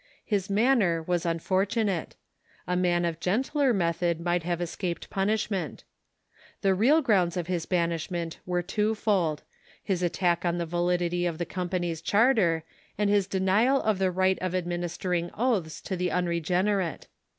His manner was unfortunate. A man of gentler method might have escaped punishment. The real grounds of his banishment were twofold : his attack on the validity of the company's charter, and his denial of the right of administering oaths to the unregeneiMte.